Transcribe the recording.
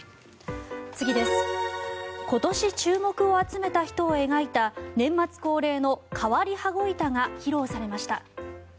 今年注目を集めた人を描いた年末恒例の変わり羽子板が披露されました。